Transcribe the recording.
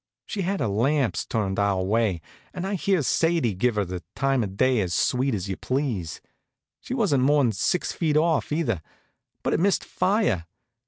She had her lamps turned our way, and I hears Sadie give her the time of day as sweet as you please. She wasn't more'n six feet off, either; but it missed fire.